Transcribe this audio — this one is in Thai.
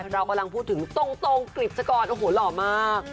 เรากำลังพูดถึงตรงกฤษกรโอ้โหหล่อมาก